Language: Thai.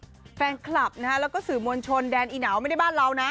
แฟนคลับนะฮะแล้วก็สื่อมวลชนแดนอีหนาวไม่ได้บ้านเรานะ